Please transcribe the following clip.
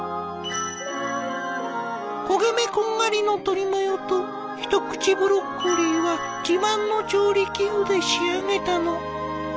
焦げ目こんがりの鶏マヨとひとくちブロッコリーは自慢の調理器具で仕上げたの。